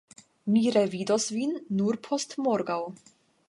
Mi revidos vin nur postmorgaŭ.